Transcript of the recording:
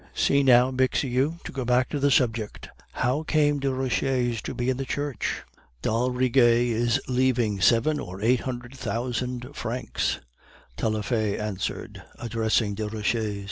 See now, Bixiou, to go back to the subject How came Desroches to be in the church?" "'D'Aldrigger is leaving seven or eight hundred thousand francs,' Taillefer answered, addressing Desroches.